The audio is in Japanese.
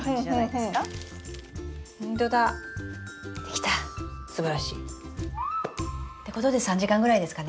すばらしい。ってことで３時間ぐらいですかね？